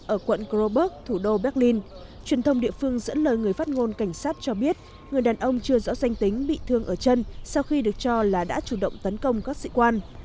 ở quận groberg thủ đô berlin truyền thông địa phương dẫn lời người phát ngôn cảnh sát cho biết người đàn ông chưa rõ danh tính bị thương ở chân sau khi được cho là đã chủ động tấn công các sĩ quan